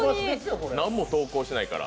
何も投稿してないから。